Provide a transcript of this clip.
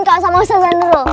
ke usaha usaha janurul